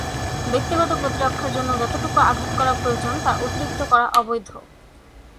ব্যক্তিগত প্রতিরক্ষার জন্য যতটুকু আঘাত করা প্রয়োজন, তার অতিরিক্ত করা অবৈধ।